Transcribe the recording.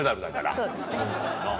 そうですね。